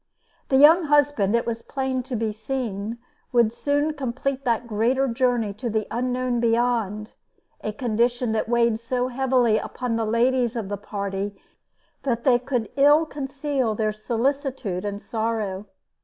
The young husband, it was plain to be seen, would soon complete that greater journey to the unknown beyond, a condition that weighed so heavily upon the ladies of the party that they could ill conceal their solicitude and sorrow.